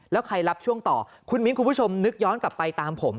แล้วใครรับช่วงต่อคุณมิ้นคุณผู้ชมนึกย้อนกลับไปตามผม